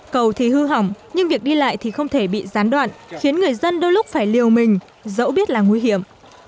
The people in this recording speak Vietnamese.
cầu thì hư hỏng nhưng việc đi lại thì không thể bị gián đoạn khiến người dân đôi lúc phải liều mình dẫu biết là nguy hiểm